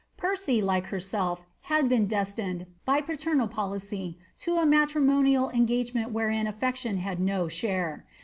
Percy, like herself, had been destined, by paternal policy, to a matrimonial engagement wherein afl^tion had no share.